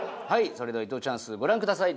それでは伊藤チャンスご覧ください。